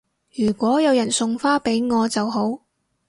如果有人送花俾我就好